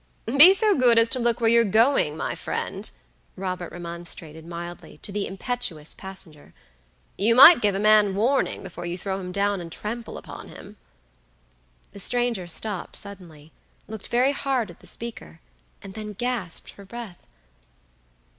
"Be so good as to look where you're going, my friend!" Robert remonstrated, mildly, to the impetuous passenger; "you might give a man warning before you throw him down and trample upon him." The stranger stopped suddenly, looked very hard at the speaker, and then gasped for breath.